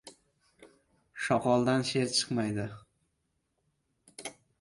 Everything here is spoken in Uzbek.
• Shoqoldan sher chiqmaydi.